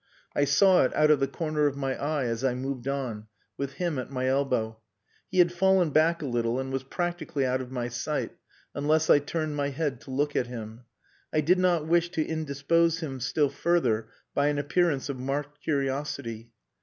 I saw it out of the corner of my eye as I moved on, with him at my elbow. He had fallen back a little and was practically out of my sight, unless I turned my head to look at him. I did not wish to indispose him still further by an appearance of marked curiosity.